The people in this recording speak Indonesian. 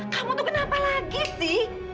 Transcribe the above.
kamu tuh kenapa lagi sih